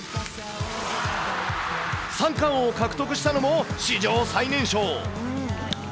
三冠王を獲得したのも史上最年少。